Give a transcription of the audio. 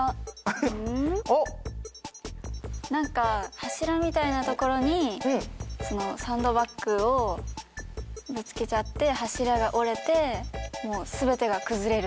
柱みたいな所にサンドバッグをぶつけちゃって柱が折れて全てが崩れる。